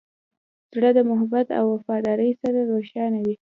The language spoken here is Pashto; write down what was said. زړه د محبت او وفادارۍ سره روښانه وي.